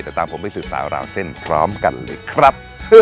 เดี๋ยวตามผมไปสืบสาวราวเส้นพร้อมกันเลยครับ